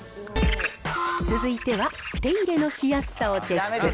続いては手入れのしやすさをチェック。